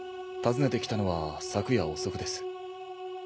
訪ねて来たのは昨夜遅くです。